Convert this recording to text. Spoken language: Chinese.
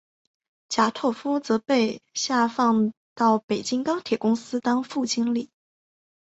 贾拓夫则被下放到北京钢铁公司当副经理。